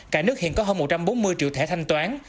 cả nước hiện có hơn một trăm bốn mươi triệu thẻ thanh toán